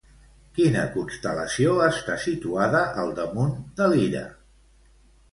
Quina constel·lació està situada al damunt de Lira?